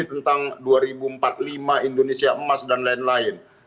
tentang dua ribu empat puluh lima indonesia emas dan lain lain